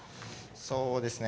そうですね。